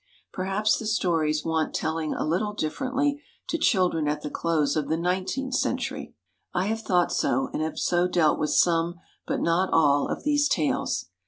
Perhaps the stories want telling a little differently to children at the close of the nineteenth century. I have thought so and have so dealt with some, but not all, of these tales.